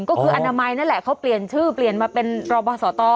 ก็คืออนามัยนั่นแหละเขาเปลี่ยนชื่อเปลี่ยนมาเป็นรอบสต